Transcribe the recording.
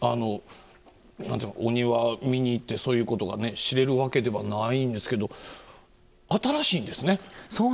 お庭を見に行ってそういうことが知れるわけではないんですけど新しいんですね。